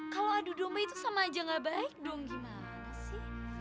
kalau adu domba itu sama aja gak baik dong gimana sih